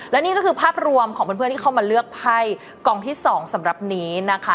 และนี่ก็คือภาพรวมของเพื่อนที่เข้ามาเลือกไพ่กองที่๒สำหรับนี้นะคะ